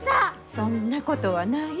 そんなことはない。